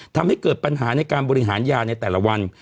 ทำให้เกิดปัญหาในการบริหารยาในแต่ละวัน